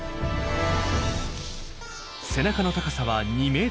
背中の高さは２ｍほど。